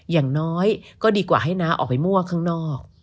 อย่างน้อยก็ดีกว่าให้น้าออกไปมั่วข้างนอก